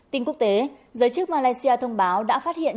tin quốc tế giới chức malaysia thông báo đã phát hiện